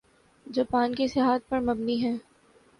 Japan کی سیاحت پر مبنی ہے